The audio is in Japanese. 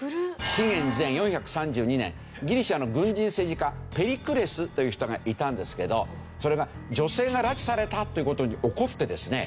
紀元前４３２年ギリシャの軍人政治家ペリクレスという人がいたんですけどそれが女性が拉致されたという事に怒ってですね